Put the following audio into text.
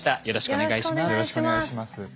よろしくお願いします。